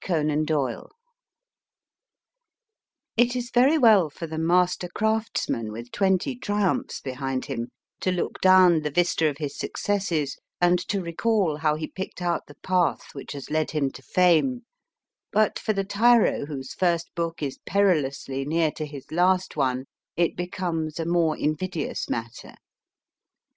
CONAN DOYLE T is very well for the master crafts man with twenty triumphs be hind him to look down the vista of his successes, and to recall how he picked out the path which has led him to fame, but for the tiro whose first book is perilously near to his last one it becomes a more invidious matter.